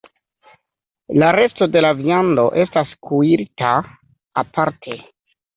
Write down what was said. La resto de la viando estas kuirita aparte.